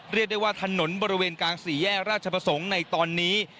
เรียกได้ว่าถนนบริเวณกลางสี่แยกราชประสงค์ในตอนนี้